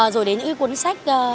rồi đến những cuốn sách